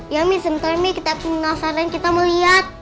iya ami sebentar ami kita penasaran kita mau liat